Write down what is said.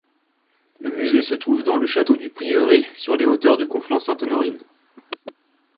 Le musée se trouve dans le château du Prieuré, sur les hauteurs de Conflans-Sainte-Honorine.